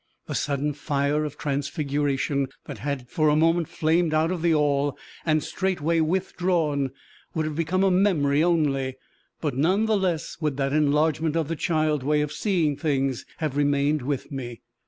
The sudden fire of transfiguration that had for a moment flamed out of the All, and straightway withdrawn, would have become a memory only; but none the less would that enlargement of the child way of seeing things have remained with me.